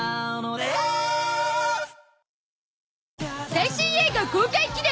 最新映画公開記念！